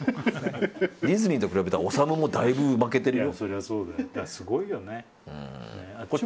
ディズニーと比べたら統もだいぶ負けてるよ。